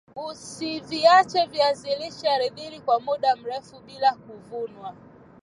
Usiviache viazi lishe ardhini kwa muda mrefu bila kuvunwa